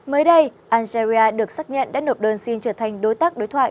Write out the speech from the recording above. mới đây algeria được xác nhận đã nộp đơn xin trở thành đối tác đối thoại